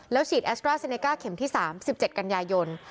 แล้วฉีดแอสเตอร์แซเนก้าเข็มที่๓๑๗กัญญายน